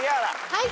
はい。